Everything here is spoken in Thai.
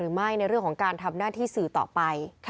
คือว่ามีความปริมาติของการทำหน้าที่สือต่อไป